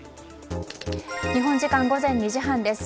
日本時間午前２時半です。